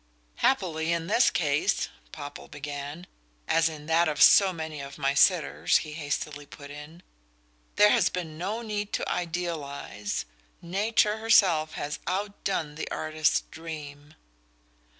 "Happily in this case," Popple began ("as in that of so many of my sitters," he hastily put in), "there has been no need to idealize nature herself has outdone the artist's dream."